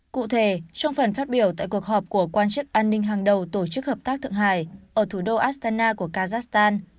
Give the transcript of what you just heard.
cụ thể trong phần phát biểu tại cuộc họp của quan chức an ninh hàng đầu tổ chức hợp tác thượng hải ở thủ đô astana của kazakhstan